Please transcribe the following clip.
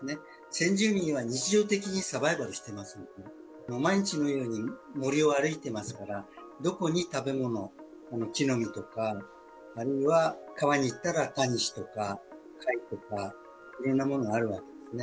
先住民は日常的にサバイバルしていますのでね、もう毎日のように森を歩いていますから、どこに食べ物、木の実とか、あるいは、川に行ったら、タニシとか貝とか、いろんなものがあるわけですね。